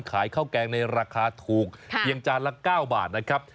ขายข้าวแกงในราคาถูกเพียงจานละ๙บาทนะครับ